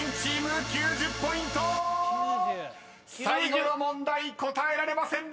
［最後の問題答えられませんでした］